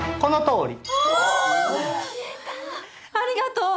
ありがとう！